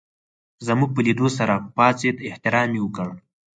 زموږ په لېدو سره پاڅېد احترام یې وکړ.